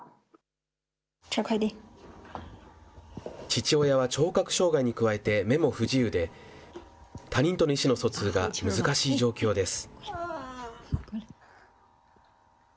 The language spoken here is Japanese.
父親は、聴覚障害に加えて目も不自由で、他人との意思の疎通が難しい状況です。